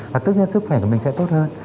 và tất nhiên sức khỏe của mình sẽ tốt hơn